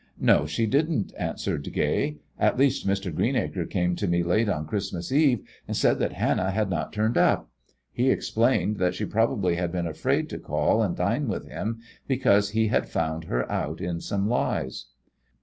"No, she didn't," answered Gay. "At least, Mr. Greenacre came to me late on Christmas Eve and said that Hannah had not turned up. He explained that she probably had been afraid to call and dine with him because he had found her out in some lies."